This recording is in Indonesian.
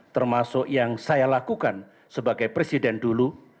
termasuk yang saya lakukan sebagai presiden dulu